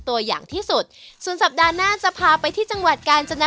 วันนี้ขอลาไปก่อน